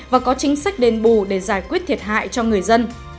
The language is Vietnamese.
và có chính sách đền bù để giải quyết thiệt hại cho người dân